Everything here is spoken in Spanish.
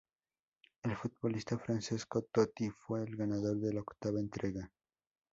El futbolista Francesco Totti fue el ganador de la octava entrega.